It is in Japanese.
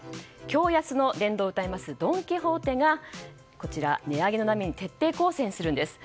驚安の殿堂をうたいますドン・キホーテが値上げの波に徹底抗戦するんです。